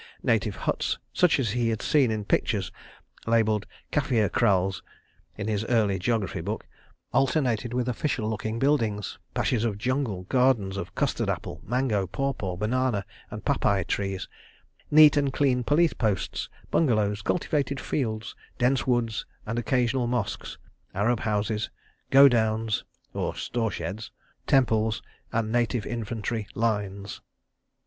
Native huts, such as he had seen in pictures (labelled "kaffir kraals") in his early geography book, alternated with official looking buildings, patches of jungle; gardens of custard apple, mango, paw paw, banana, and papai trees; neat and clean police posts, bungalows, cultivated fields, dense woods and occasional mosques, Arab houses, go downs, temples, and native infantry "lines."